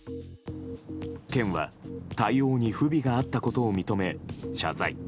県は、対応に不備があったことを認め謝罪。